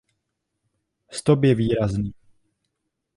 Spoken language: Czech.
Stop je výrazný.